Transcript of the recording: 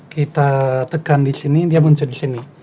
kita tekan di sini dia muncul di sini